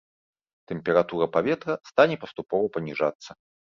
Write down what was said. Тэмпература паветра стане паступова паніжацца.